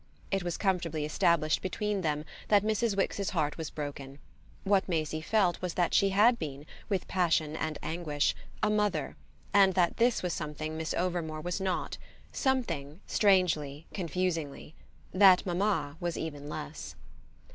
It was comfortably established between them that Mrs. Wix's heart was broken. What Maisie felt was that she had been, with passion and anguish, a mother, and that this was something Miss Overmore was not, something (strangely, confusingly) that mamma was even less.